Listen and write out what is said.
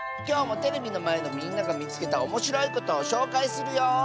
きょうもテレビのまえのみんながみつけたおもしろいことをしょうかいするよ！